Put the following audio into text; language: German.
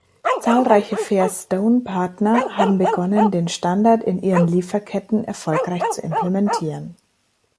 Zahlreiche Fair Stone Partner haben begonnen den Standard in ihren Lieferketten erfolgreich zu implementieren.